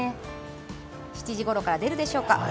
７時ごろから出るでしょうか。